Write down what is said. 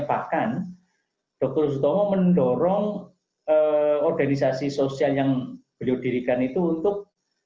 bahkan dr sutomo mendorong organisasi sosial yang beliau dirikan itu untuk